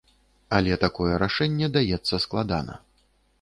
Але такое рашэнне даецца складана.